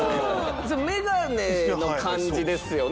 メガネの感じですよね。